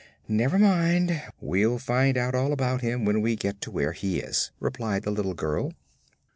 "Never mind; we'll find out all about him when we get to where he is," replied the little girl.